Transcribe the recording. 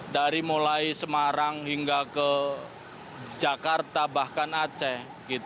dari mulai semarang hingga ke jakarta bahkan aceh